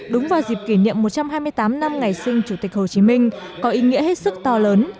đúng vào dịp kỷ niệm một trăm hai mươi tám năm ngày sinh chủ tịch hồ chí minh có ý nghĩa hết sức to lớn